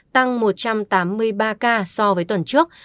tăng một trăm tám mươi ba ca so với tuần trước